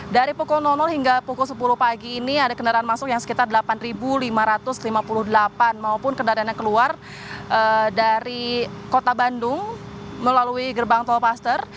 dari pukul hingga pukul sepuluh pagi ini ada kendaraan masuk yang sekitar delapan lima ratus lima puluh delapan maupun kendaraan yang keluar dari kota bandung melalui gerbang tolpaster